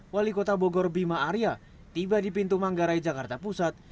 wali kota bogor bima arya tiba di pintu manggarai jakarta pusat